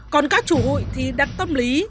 còn các chủ hụi thì đặt tâm lý